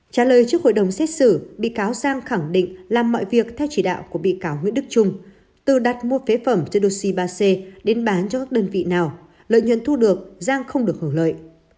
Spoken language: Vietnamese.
trả lời trước hội đồng xét xử bị cáo giang khẳng định làm mọi việc theo chỉ đạo của bị cáo nguyễn đức trung từ đặt mua phế phẩm cho duba c đến bán cho các đơn vị nào lợi nhân thu được giang không được hưởng lợi